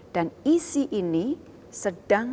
dan isi ini sedangkan